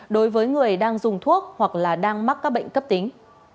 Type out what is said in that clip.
đối với người đang dùng thuốc hoặc là đang mắc các bệnh cấp tính